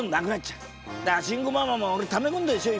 だから慎吾ママもため込んでるでしょ